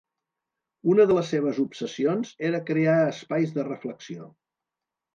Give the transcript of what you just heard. Una de les seves obsessions era crear espais de reflexió.